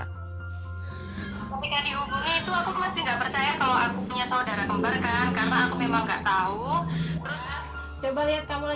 ketika dihubungi itu aku masih gak percaya kalau aku punya saudara kembar kan karena aku memang gak tahu